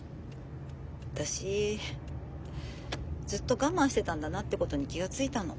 私ずっと我慢してたんだなってことに気が付いたの。